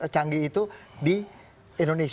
canggih itu di indonesia